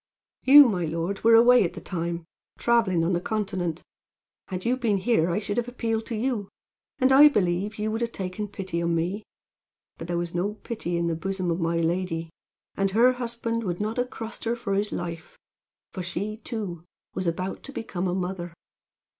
"You, my lord, were away at the time, traveling on the continent. Had you been here I should have appealed to you, and I believe you would have taken pity on me, but there was no pity in the bosom of my lady; and her husband would not have crossed her for his life; for she, too, was about to become a mother.